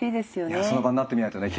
いやその場になってみないとね